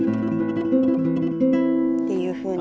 っていうふうに。